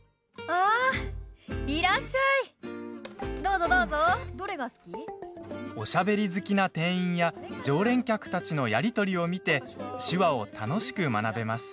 おしゃべり好きな店員や常連客たちのやり取りを見て手話を楽しく学べます。